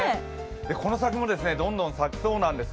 この先もどんどん咲きそうなんです。